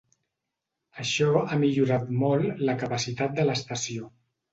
Això ha millorat molt la capacitat de l'estació.